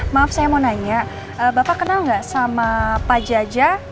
maaf saya mau nanya bapak kenal nggak sama pak jaja